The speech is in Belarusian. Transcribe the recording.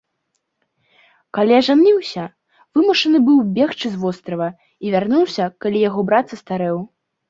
Калі ажаніўся, вымушаны быў бегчы з вострава, і вярнуўся, калі яго брат састарэў.